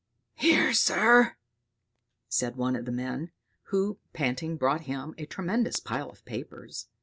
"Here, sir!" said one of the men, who panting brought him a tremendous pile of papers.